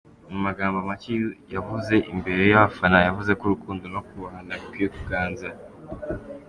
Mu magambo make yavuze imbere y’abafana yavuze ko ‘urukundo no kubahana bikwiye kuganza’.